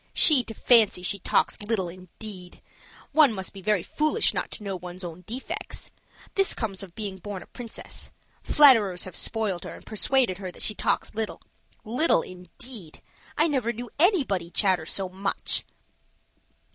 She to fancy she talks little, indeed! One must be very foolish not to know one's own defects. This comes of being born a princess. Flatterers have spoiled her and persuaded her that she talks little. Little, indeed! I never knew anybody chatter so much."